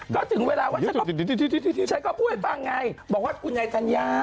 ก็ถึงเวลาชัยเขาพูดให้ฟังไงบอกว่ากุญายธัญญา